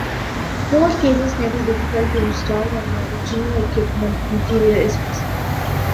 Roll cages may be difficult to install when the original equipment interior is present.